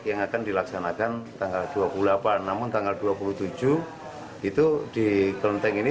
yang akan dilaksanakan tanggal dua puluh delapan namun tanggal dua puluh tujuh itu di kelenteng ini